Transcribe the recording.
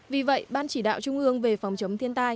vì vậy ban chỉ đạo trung ương về phòng chống dịch